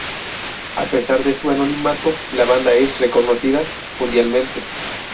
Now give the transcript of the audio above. A pesar de su anonimato, la banda es reconocida mundialmente.